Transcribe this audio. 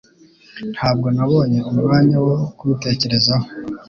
Ntabwo nabonye umwanya wo kubitekerezaho